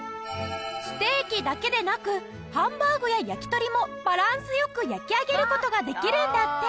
ステーキだけでなくハンバーグや焼き鳥もバランス良く焼きあげる事ができるんだって。